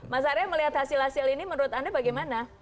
mas arya melihat hasil hasil ini menurut anda bagaimana